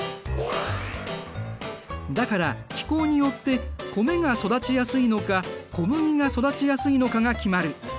だから気候によって米が育ちやすいのか小麦が育ちやすいのかが決まる。